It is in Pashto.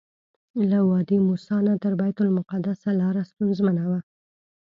له وادي موسی نه تر بیت المقدسه لاره ستونزمنه وه.